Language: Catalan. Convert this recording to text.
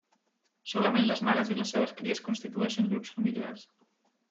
Solament les mares i les seves cries constitueixen grups familiars.